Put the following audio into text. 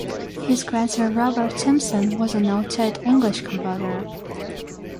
His grandson Robert Simpson was a noted English composer.